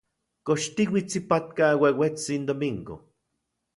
¿Kox tiuits ipatka ueuetsin Domingo?